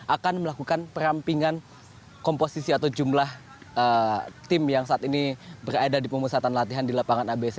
akan melakukan perampingan komposisi atau jumlah tim yang saat ini berada di pemusatan latihan di lapangan abc